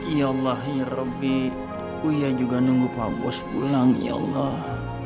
ya allah ya rabbi uya juga nunggu pak bos pulang ya allah